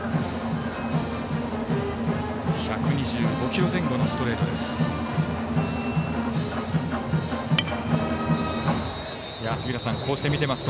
１２５キロ前後のストレートです。